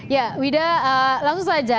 ya wida langsung saja